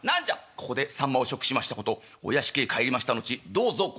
「ここでさんまを食しましたことお屋敷へ帰りました後どうぞご内密に」。